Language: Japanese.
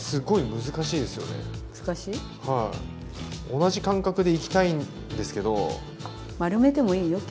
同じ感覚でいきたいんですけど。